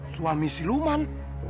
suami si luman